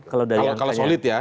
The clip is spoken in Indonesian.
kalau solid ya